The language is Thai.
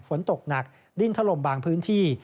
ฝนตกหนักดิ้นถล่มบางพื้นที่